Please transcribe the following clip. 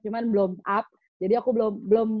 cuma belum up jadi aku belum